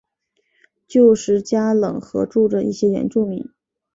旧时加冷河住着一些原住民。